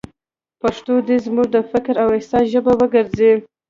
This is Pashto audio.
پښتو دې زموږ د فکر او احساس ژبه وګرځي.